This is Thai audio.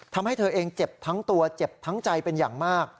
ทำให้เธอเองเจ็บทั้งตัวเจ็บทั้งใจเป็นอย่างมาก